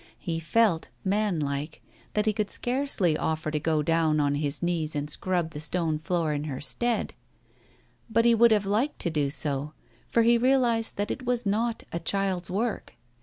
He felt, manlike, that he could scarcely offer to go down on his knees and scrub the stone floor in her stead, but he would have liked to do so, for he realized that it was not a child's work.